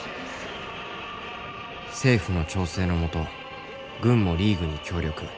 政府の調整の下軍もリーグに協力。